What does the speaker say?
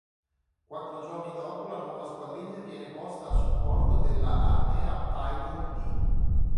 Quattro giorni dopo la nuova squadriglia viene posta a supporto della "Armee-Abteilung B".